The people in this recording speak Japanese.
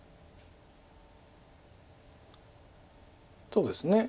そうですね。